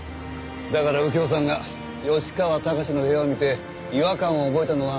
だから右京さんが吉川崇の部屋を見て違和感を覚えたのは当然だった。